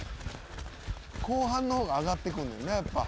後半の方が上がってくんねんなやっぱ。